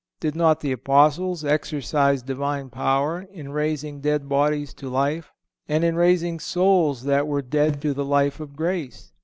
Did not the Apostles exercise Divine power in raising dead bodies to life, and in raising souls that were dead to the life of grace?